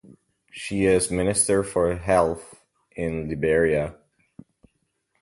She is Minister for Health in Liberia.